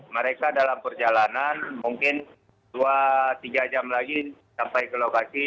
mereka dalam perjalanan mungkin dua tiga jam lagi sampai ke lokasi